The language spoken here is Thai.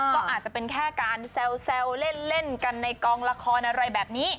ก็อาจจะเป็นแค่การแซวเล่นกันในกองละครอะไรแบบนี้